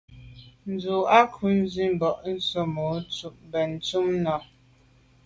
Ndù à ghù ze mba tsemo’ benntùn nà.